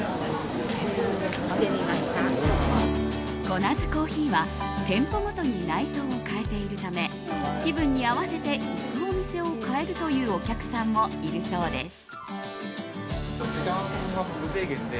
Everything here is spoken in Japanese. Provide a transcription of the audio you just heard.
コナズ珈琲は店舗ごとに内装を変えているため気分に合わせて行くお店を変えるというお客さんもいるそうです。